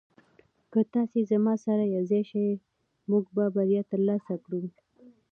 که تاسي زما سره یوځای شئ موږ به بریا ترلاسه کړو.